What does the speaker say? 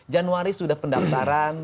januari sudah pendaftaran